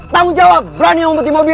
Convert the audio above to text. tanggung jawab berani yang memutih mobil